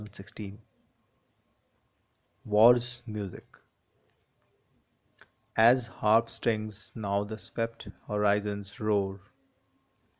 ON THE GREAT WAR WAR S MUSIC As harp strings now the swept horizons roar.